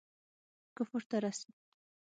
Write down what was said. کفر ته رسي.